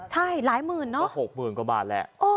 ใช่หลายหมื่นเนอะก็๖๐๐๐กว่าบาทแหละ